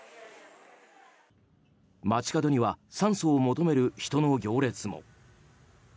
街角には酸素を求める人の行列も。